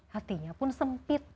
hatinya pun sempit